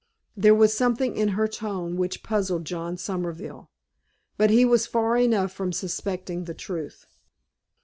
There was something in her tone which puzzled John Somerville, but he was far enough from suspecting the truth.